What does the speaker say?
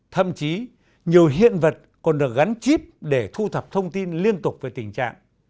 thậm chí nhiều hiện vật còn được gắn chip để thu thập thông tin liên tục về tình trạng